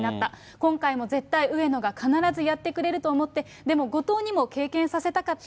今回も絶対上野が必ずやってくれると思って、でも後藤にも経験させたかった。